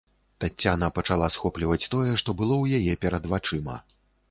Таццяна пачала схопліваць тое, што было ў яе перад вачыма.